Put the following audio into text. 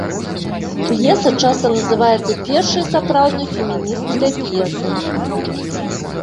П'еса часта называецца першай сапраўднай фемінісцкай п'есай.